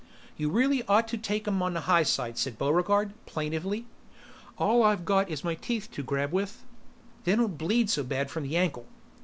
"You really ought to take 'em on the high side," said Buregarde, plaintively. "All I've got is my teeth to grab with. They don't bleed so bad from the ankle."